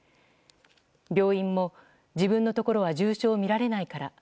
病院も自分のところは重症、診られないから。